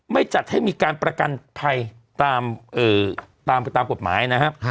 ๗ไม่จัดให้มีการประกันภัยตามกฎหมาย